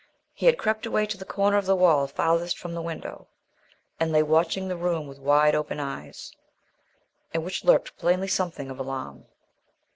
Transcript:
He had crept away to the corner of the wall farthest from the window, and lay watching the room with wide open eyes, in which lurked plainly something of alarm.